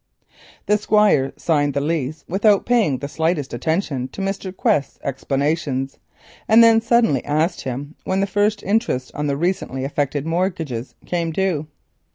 The Squire signed the lease without paying the slightest attention to Mr. Quest's explanations, and then suddenly asked him when the first interest on the recently effected mortgages came due.